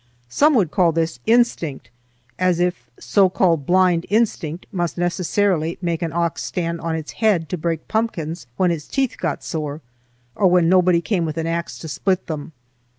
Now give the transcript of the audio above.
Some would call this "instinct," as if so called "blind instinct" must necessarily make an ox stand on its head to break pumpkins when its teeth got sore, or when nobody came with an axe to split them.